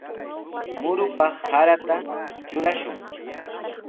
Murupaq sarata trurashun.